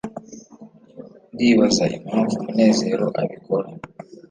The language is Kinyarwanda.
ndibaza impamvu munezero abikora